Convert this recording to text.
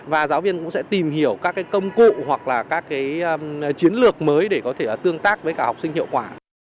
và giáo viên cũng sẽ tìm hiểu các công cụ hoặc là các chiến lược mới để có thể tương tác với cả học sinh hiệu quả